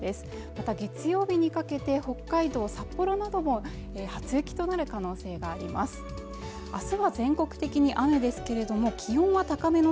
また月曜日にかけて北海道札幌なども初雪となる可能性があります